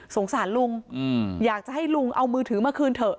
สารลุงอยากจะให้ลุงเอามือถือมาคืนเถอะ